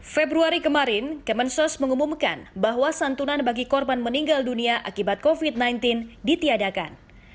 februari kemarin kemensos mengumumkan bahwa santunan bagi korban meninggal dunia akibat covid sembilan belas ditiadakan